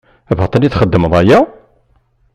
Baṭel i txeddmeḍ aya?